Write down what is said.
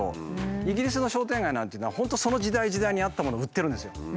イギリスの商店街なんていうのは本当その時代時代に合ったものを売ってるんですよ。